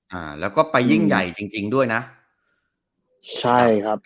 อ่าแล้วก็ไปยิ่งใหญ่จริงจริงด้วยนะใช่ครับ